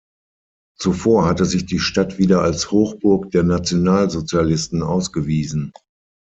Zuvor hatte sich die Stadt wieder als Hochburg der Nationalsozialisten ausgewiesen.